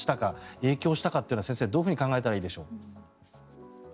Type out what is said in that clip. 影響したかというのはどういうふうに考えたらいいでしょう。